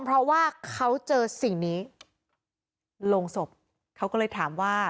เพราะว่าเขาเจอสิ่งนี้โรงศพเขาก็เลยถามว่า